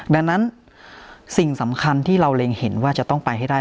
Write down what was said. ดังนั้นสิ่งสำคัญที่เราเล็งเห็นว่าจะต้องไปให้ได้